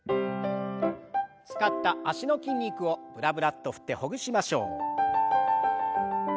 使った脚の筋肉をブラブラッと振ってほぐしましょう。